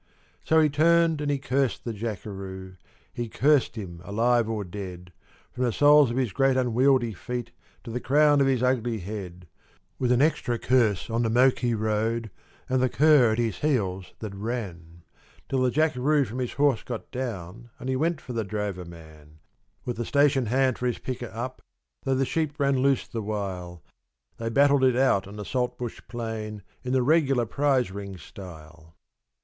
So he turned and he cursed the Jackeroo, he cursed him alive or dead, From the soles of his great unwieldy feet to the crown of his ugly head, With an extra curse on the moke he rode and the cur at his heels that ran, Till the Jackeroo from his horse got down and he went for the drover man; With the station hand for his picker up, though the sheep ran loose the while, They battled it out on the saltbush plain in the regular prize ring style.